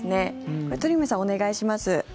これ、鳥海さんお願いします。